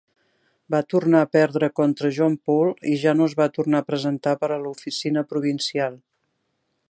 Va tornar a perdre contra John Poole i ja no es va a tornar a presentar per a l'oficina provincial.